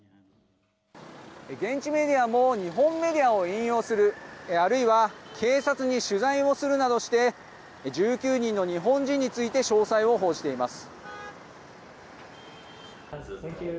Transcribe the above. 現地メディアも日本メディアを引用するあるいは警察に取材をするなどして１９人の日本人について詳細を報じています。